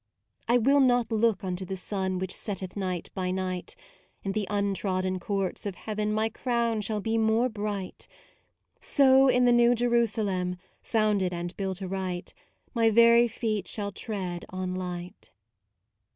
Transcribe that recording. I will not look unto the sun Which setteth night by night, In the untrodden courts of Heaven My crown shall be more bright. So, in the New Jerusalem, Founded and built aright, My very feet shall tread on light.